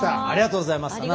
ありがとうございます。